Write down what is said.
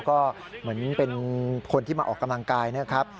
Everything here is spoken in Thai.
ก็เหมือนเป็นคนที่มาออกกำลังกายนะครับ